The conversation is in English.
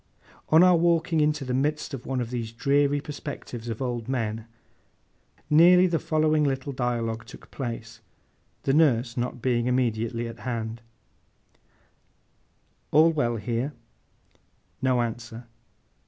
On our walking into the midst of one of these dreary perspectives of old men, nearly the following little dialogue took place, the nurse not being immediately at hand: 'All well here?' No answer.